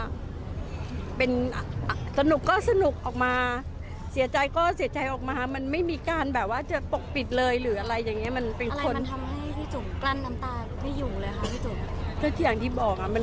แล้วคุณพ่อก็เป็นห่วงที่จูบมากที่สุดในบรรดาลูกทั้ง๑๔คน